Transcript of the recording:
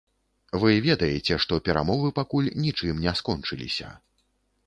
Вы ведаеце, што перамовы пакуль нічым не скончыліся.